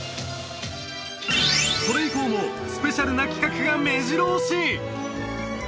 それ以降もスペシャルな企画がめじろ押し！